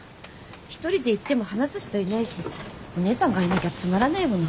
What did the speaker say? １人で行っても話す人いないしお姉さんがいなきゃつまらないもの。